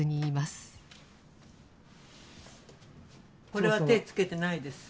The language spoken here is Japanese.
これは手付けてないです。